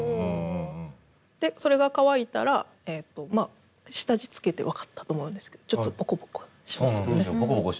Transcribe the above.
でそれが乾いたら下地つけて分かったと思うんですけどちょっとボコボコしますよね。